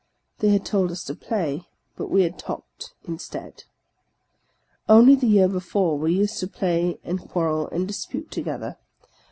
They had told us to play; but we had talked instead. Only the year before, we used to play and quarrel and dispute to gether.